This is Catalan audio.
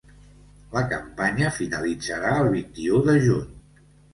La campanya finalitzarà el vint-i-u de juny.